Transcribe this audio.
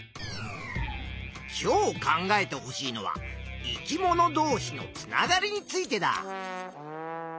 今日考えてほしいのは「生き物どうしのつながり」についてだ。